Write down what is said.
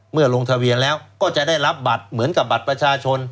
ลงทะเบียนแล้วก็จะได้รับบัตรเหมือนกับบัตรประชาชน